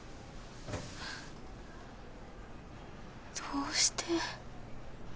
どうして？